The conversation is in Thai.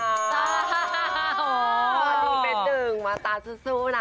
มาตาเป็นหนึ่งมาตาสู้สู้หนา